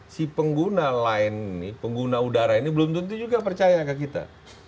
si pengguna lain pengguna udara ini belum tentu juga percaya ke kita